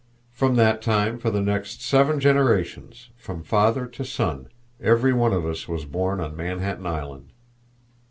From that time for the next seven generations from father to son every one of us was born on Manhattan Island.